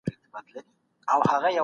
شل منفي درې؛ اوولس کېږي.